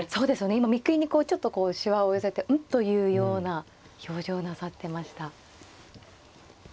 今眉間にこうちょっとしわを寄せて「うん？」というような表情をなさってました。